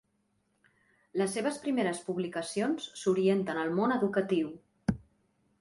Les seves primeres publicacions s'orienten al món educatiu.